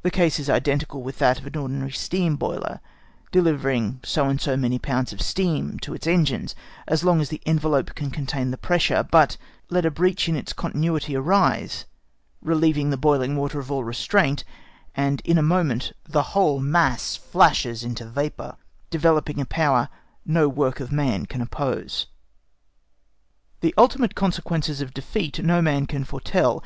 The case is identical with that of an ordinary steam boiler, delivering so and so many pounds of steam to its engines as long as the envelope can contain the pressure; but let a breach in its continuity arise—relieving the boiling water of all restraint—and in a moment the whole mass flashes into vapour, developing a power no work of man can oppose. The ultimate consequences of defeat no man can foretell.